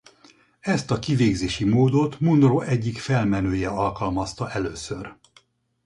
Ezt a kivégzési módot Munro egyik felmenője alkalmazta először.